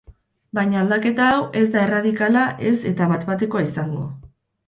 Baina aldaketa hau ez da erradikala ez eta bat-batekoa izango.